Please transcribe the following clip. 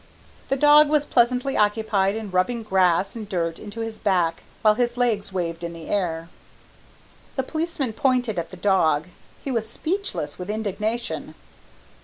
The dog was pleasantly occupied in rubbing grass and dirt into his back while his legs waved into the air. The policeman pointed at the dog. He was speechless with indignation.